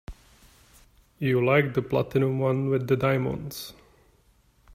You liked the platinum one with the diamonds.